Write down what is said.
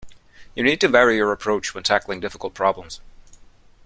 You need to vary your approach when tackling difficult problems.